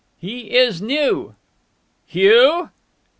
"He is new!" "Hugh?"